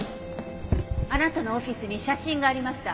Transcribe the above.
あなたのオフィスに写真がありました。